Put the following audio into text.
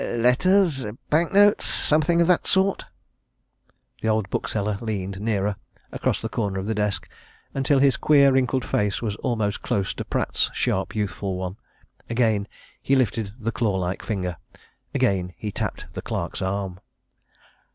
"Letters? Bank notes? Something of that sort?" The old bookseller leaned nearer, across the corner of the desk, until his queer, wrinkled face was almost close to Pratt's sharp, youthful one. Again he lifted the claw like finger: again he tapped the clerk's arm.